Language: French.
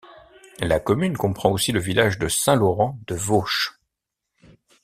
La commune comprend aussi le village de Saint-Laurent-de-Veauche.